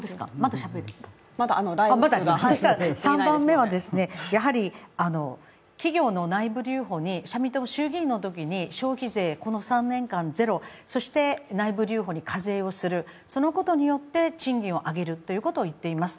３番目はですね、企業の内部留保に社民党も衆議院のときに消費税、この３年間で０、そして内部留保に課税をする、そのことによって賃金を上げるということを言っています。